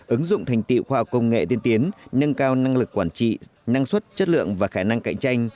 ứng dụng thành tiệu khoa học công nghệ tiên tiến nâng cao năng lực quản trị năng suất chất lượng và khả năng cạnh tranh